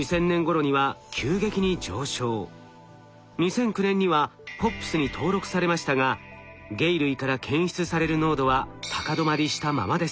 ２００９年にはＰＯＰｓに登録されましたが鯨類から検出される濃度は高止まりしたままです。